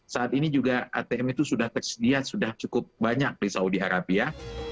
saat ini juga atm itu sudah tersedia sudah cukup banyak di saudi arabia